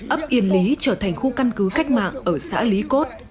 ấp yên lý trở thành khu căn cứ cách mạng ở xã lý cốt